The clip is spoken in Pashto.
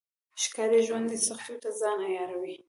ښکاري د ژوند سختیو ته ځان عیاروي.